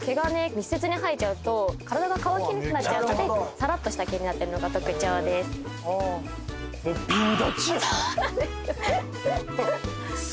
密接に生えちゃうと体が乾きにくくなっちゃうのでサラッとした毛になってるのが特徴ですそうなんです